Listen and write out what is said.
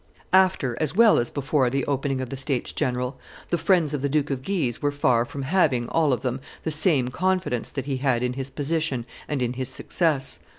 After as well as before the opening of the states general, the friends of the Duke of Guise were far from having, all of them, the same confidence that he had in his position and in his success.